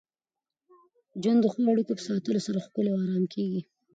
ژوند د ښو اړیکو په ساتلو سره ښکلی او ارام کېږي.